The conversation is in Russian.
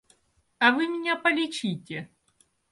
А вы меня полечите.